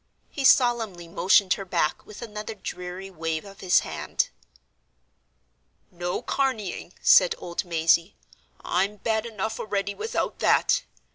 He solemnly motioned her back with another dreary wave of his hand. "No carneying!" said old Mazey; "I'm bad enough already, without that.